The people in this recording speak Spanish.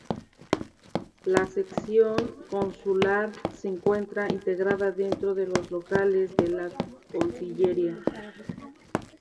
La Sección Consular se encuentra integrada dentro de los locales de la Cancillería.